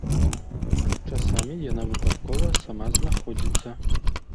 Часамі яна выпадкова сама знаходзіцца.